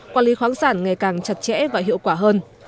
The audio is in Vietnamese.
quản lý khoáng sản ngày càng chặt chẽ và hiệu quả hơn